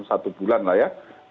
satu bulan lah ya